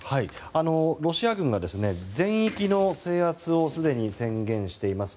ロシア軍が全域の制圧を既に宣言しています